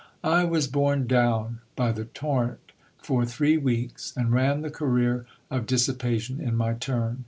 I was borne down by the torrent for three weeks, and ran the career of dis sipation in my turn.